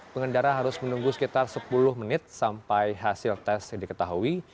pengendara harus menunggu sekitar sepuluh menit sampai hasil tes diketahui